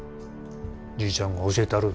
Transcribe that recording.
じいちゃんが教えたる。